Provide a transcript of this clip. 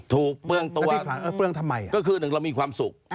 ก็คือหนึ่งเรามีความสุข